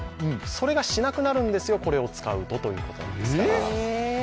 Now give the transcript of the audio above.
それがしなくなるんですよ、これを使うとということなんです。